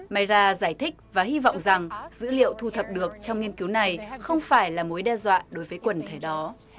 mayra giải thích và hy vọng rằng dữ liệu thu thập được trong nghiên cứu này không phải là mối đe dọa đối với quần thể đó